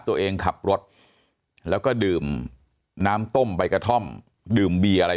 ตัวเองขับรถแล้วก็ดื่มน้ำต้มใบกระท่อมดื่มเบียร์อะไร